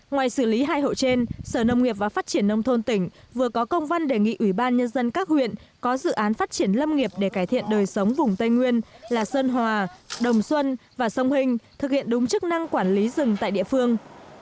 ngoài xử lý hai hộ trên sở nông nghiệp và phát triển nông thôn tỉnh vừa có công văn đề nghị ủy ban nhân dân các huyện có dự án phát triển lâm nghiệp để cải thiện đời sống vùng tây nguyên là sơn hòa đồng xuân và sông hình thực hiện đúng chức năng quản lý rừng tại địa phương